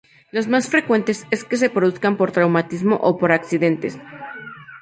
Lo más frecuente es que se produzcan por traumatismo o por accidentes.